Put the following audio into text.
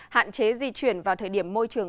hạn chế di chuyển vào thời điểm môi trường